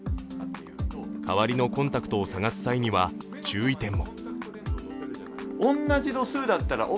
代わりのコンタクトを探す際には注意点も。